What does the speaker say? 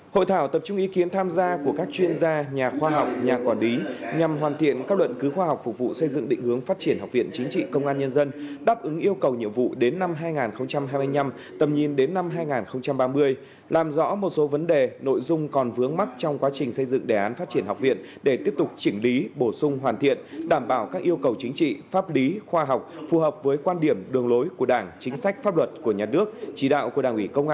hội thảo tập trung ý kiến tham gia của các chuyên gia nhà khoa học nhà quản lý nhằm hoàn thiện các luận cứu khoa học phục vụ xây dựng định hướng phát triển học viện chính trị công an nhân dân đáp ứng yêu cầu nhiệm vụ đến năm hai nghìn hai mươi năm tầm nhìn đến năm hai nghìn ba mươi làm rõ một số vấn đề nội dung còn vướng mắt trong quá trình xây dựng đề án phát triển học viện để tiếp tục chỉnh lý bổ sung hoàn thiện đảm bảo các yêu cầu chính trị pháp lý khoa học phù hợp với quan điểm đường lối của đảng chính sách pháp luật của nhà nước chỉ đạo của đ